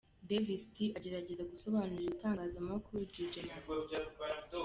Davis D agerageza gusobanurira itangazamakuru Dj Martin.